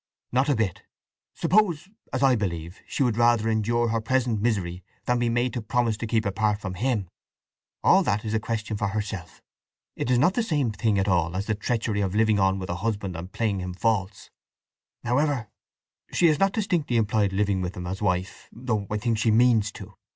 "Not a bit. Suppose, as I believe, she would rather endure her present misery than be made to promise to keep apart from him? All that is a question for herself. It is not the same thing at all as the treachery of living on with a husband and playing him false… However, she has not distinctly implied living with him as wife, though I think she means to...